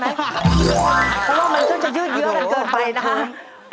เพราะว่ามันก็จะยืดเยอะกันเกินไปนะครับ